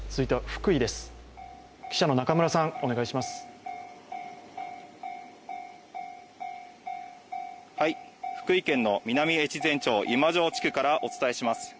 福井県の南越前町今庄地区からお伝えします。